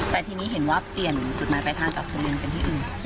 แต่ทีนี้เห็นว่าเปลี่ยนจุดหมายปลายทางจากสุรินเป็นที่อื่น